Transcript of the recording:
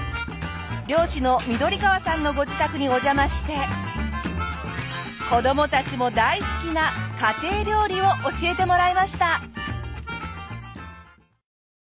漁師の緑川さんのご自宅にお邪魔して子どもたちも大好きな家庭料理を教えてもらいました。